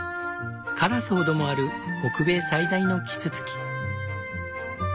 カラスほどもある北米最大のキツツキ。